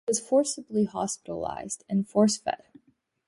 He was forcibly hospitalized and force-fed.